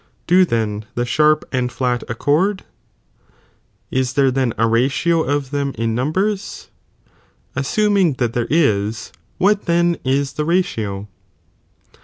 Do then the sharp and flat accord ? is there then a ratio of them in numbers ? as suming that there is, what then is the ratio